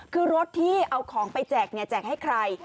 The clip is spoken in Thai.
คือรถที่เอาของไปแจกเนี่ยแจกให้ใคร